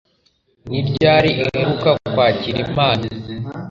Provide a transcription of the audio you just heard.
Ni ryari uheruka kwakira impano?